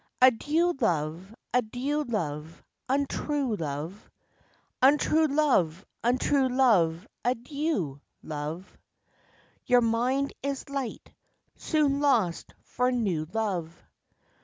Adieu Love, adieu Love, untrue Love, Untrue Love, untrue Love, adieu Love; Your mind is light, soon lost for new love.